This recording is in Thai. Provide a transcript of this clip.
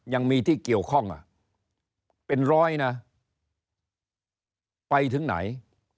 ยังมีที่เกี่ยวข้องเป็นร้อยนะไปถึงไหน